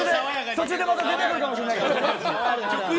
途中でまた出てくるかもしれないから。